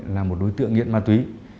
là một đối tượng nghiện ma túy